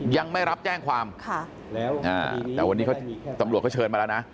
ยังไม่รับแจ้งความแต่วันนี้เขาตำรวจเขาเชิญมาแล้วนะ